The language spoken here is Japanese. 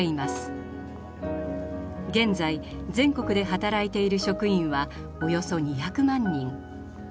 現在全国で働いている職員はおよそ２００万人。